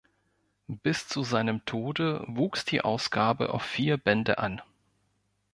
Bis zu seinem Tode wuchs die Ausgabe auf vier Bände an.